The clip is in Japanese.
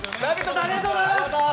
さんありがとうございます。